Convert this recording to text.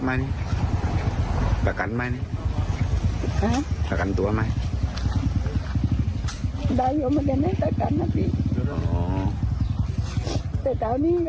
ได้ไม่ได้ประกันนะพี่แต่ตอนนี้ก็ต้องกลัวเวิร์ด